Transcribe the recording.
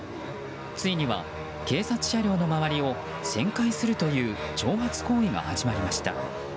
ついには警察車両の周りを旋回するという挑発行為が始まりました。